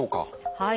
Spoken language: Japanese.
はい。